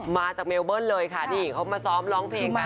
มาจากเมลเบิ้ลเลยค่ะนี่เขามาซ้อมร้องเพลงมา